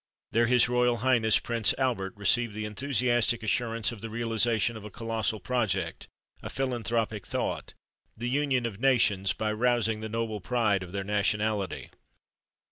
There his Royal Highness Prince Albert received the enthusiastic assurance of the realisation of a colossal project, a philanthropic thought, the union of nations, by rousing the noble pride of their nationality!